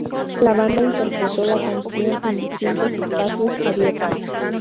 La banda interpretó la canción en distintos espacios abiertos.